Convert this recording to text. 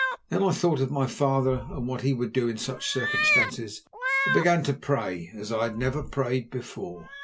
Then I thought of my father and what he would do in such circumstances, and began to pray as I had never prayed before.